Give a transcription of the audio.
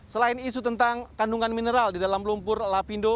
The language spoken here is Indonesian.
selain isu tentang kandungan mineral di dalam lumpur lapindo